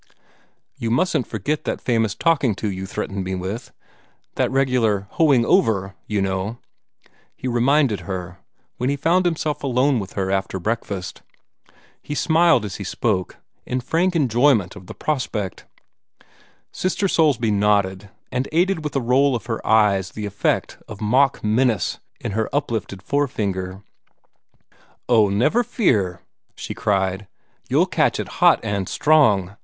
"You mustn't forget that famous talking to you threatened me with that 'regular hoeing over,' you know," he reminded her, when he found himself alone with her after breakfast. He smiled as he spoke, in frank enjoyment of the prospect. Sister Soulsby nodded, and aided with a roll of her eyes the effect of mock menace in her uplifted forefinger. "Oh, never fear," she cried. "You'll catch it hot and strong.